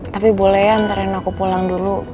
tapi boleh ya antarain aku pulang dulu